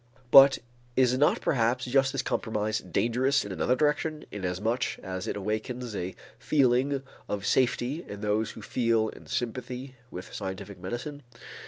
But is not perhaps just this compromise dangerous in another direction, inasmuch as it awakens a feeling of safety in those who feel in sympathy with scientific medicine?